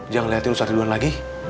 jangan liatin ustadz duluan lagi